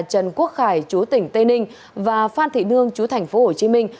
trần quốc khải chú tỉnh tây ninh và phan thị nương chú thành phố hồ chí minh